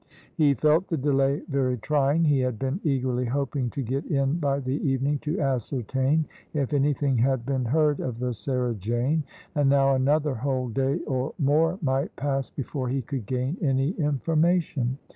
He felt the delay very trying. He had been eagerly hoping to get in by the evening, to ascertain if anything had been heard of the Sarah Jane, and now another whole day or more might pass before he could gain any information.